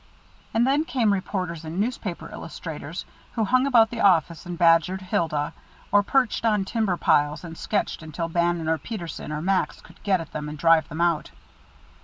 And then came reporters and newspaper illustrators, who hung about the office and badgered Hilda, or perched on timber piles and sketched until Bannon or Peterson or Max could get at them and drive them out.